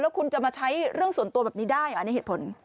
คุณจะมาใช้เรื่องส่วนตัวแบบนี้ได้อันนี้เหตุผล